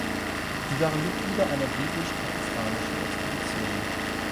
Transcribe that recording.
Sie waren Mitglieder einer britisch-pakistanischen Expedition.